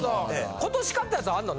今年買ったやつあんの？